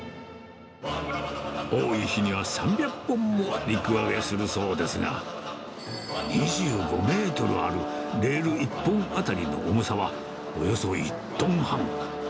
多い日には３００本も陸揚げするそうですが、２５メートルあるレール１本当たりの重さはおよそ１トン半。